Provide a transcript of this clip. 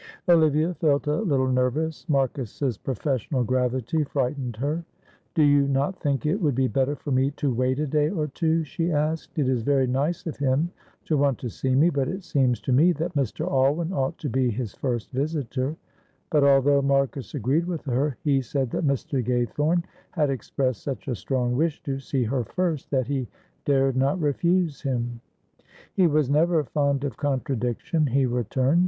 Olivia felt a little nervous. Marcus's professional gravity frightened her. "Do you not think it would be better for me to wait a day or two," she asked. "It is very nice of him to want to see me, but it seems to me that Mr. Alwyn ought to be his first visitor;" but although Marcus agreed with her, he said that Mr. Gaythorne had expressed such a strong wish to see her first, that he dared not refuse him. "He was never fond of contradiction," he returned.